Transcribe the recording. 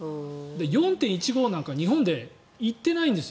４．１５なんか日本で行ってないんです。